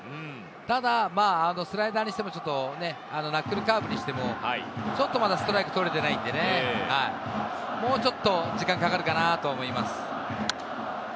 ただ、スライダーにしてもナックルカーブにしても、ちょっとまだストライクを取れていないんでね、もうちょっと時間がかかるかなと思います。